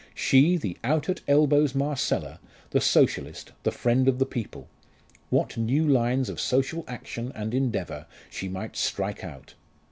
She, the out at elbows Marcella, the Socialist, the friend of the people. What new lines of social action and endeavour she might strike out!